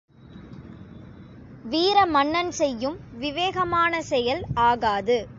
வீர மன்னன் செய்யும் விவேகமான செயல் ஆகாது.